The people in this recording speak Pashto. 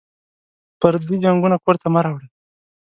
پردي جنګونه کور ته مه راوړه